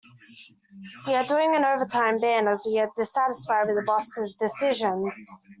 We are doing an overtime ban as we are dissatisfied with the boss' decisions.